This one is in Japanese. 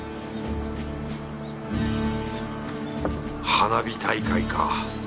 花火大会か。